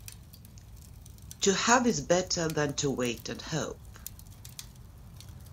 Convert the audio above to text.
To have is better than to wait and hope.